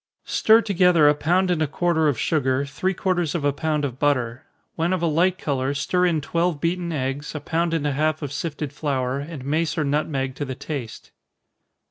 _ Stir together a pound and a quarter of sugar, three quarters of a pound of butter. When of a light color, stir in twelve beaten eggs, a pound and a half of sifted flour, and mace or nutmeg to the taste.